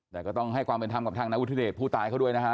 แต่ก็ต้องให้ความเป็นธรรมกับทางนายวุฒิเดชผู้ตายเขาด้วยนะฮะ